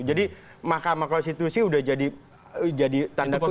jadi mahkamah konstitusi sudah jadi tanda kutip